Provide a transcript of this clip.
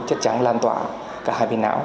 chất trắng lan tỏa cả hai bên não